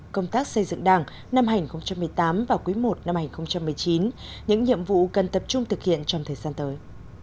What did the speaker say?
công tác xây dựng đảng năm hai nghìn một mươi tám và quý i năm hai nghìn một mươi chín những nhiệm vụ cần tập trung thực hiện trong thời gian tới